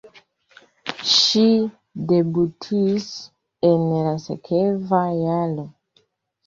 Ŝi debutis en la sekva jaro.